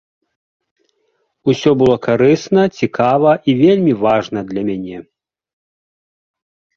Усё было карысна, цікава і вельмі важна для мяне.